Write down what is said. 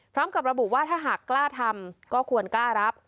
พร้อมกับระบุว่าถ้าหากกล้าทำก็ควรกล้ารับ